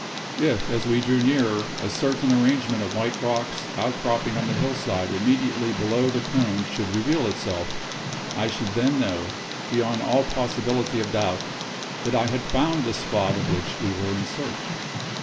If, as we drew nearer, a certain arrangement of white rocks outcropping on the hill side immediately below the cone should reveal itself, I should then know, beyond all possibility of doubt, that I had found the spot of which we were in search.